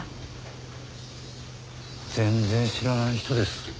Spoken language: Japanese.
全然知らない人です。